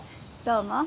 どうも。